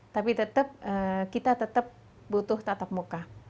tapi tetap kita tetap butuh tatap muka